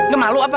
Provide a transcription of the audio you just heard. gak malu apa